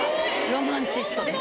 ロマンチストです。